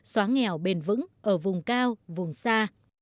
xóa nghèo bền vững ở vùng cao vùng xa